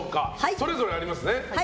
それぞれありますね。